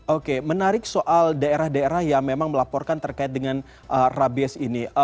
oke menarik soal daerah daerah yang memang melaporkan terkait dengan rabies ini